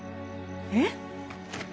えっ？